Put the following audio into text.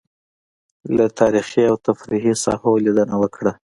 له تاريخي او تفريحي ساحو لېدنه وکړه.